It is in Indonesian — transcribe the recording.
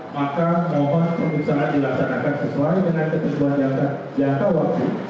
maka mohon pemerintahan dilaksanakan sesuai dengan ketentuan jangka waktu